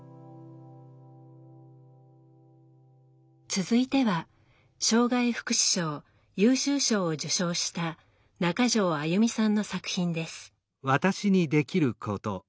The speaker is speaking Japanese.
続いては障害福祉賞優秀賞を受賞した中条歩さんの作品です。